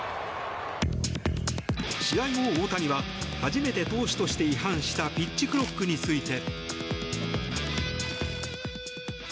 試合後、大谷は初めて投手として違反したピッチクロックについて。